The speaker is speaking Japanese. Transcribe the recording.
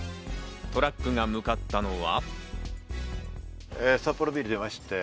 トラックが向かったのは。